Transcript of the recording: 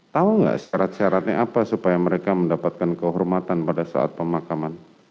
tahu nggak syarat syaratnya apa supaya mereka mendapatkan kehormatan pada saat pemakaman